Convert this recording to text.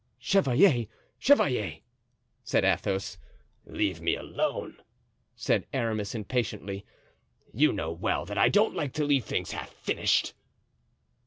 "Chevalier! chevalier!" said Athos. "Leave me alone," said Aramis impatiently. "You know well that I don't like to leave things half finished."